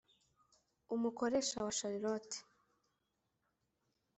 umukoresha wa Charlotte